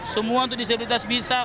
semua untuk disabilitas bisa